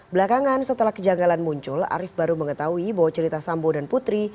belakangan setelah kejanggalan muncul arief baru mengetahui bahwa cerita sambo dan putri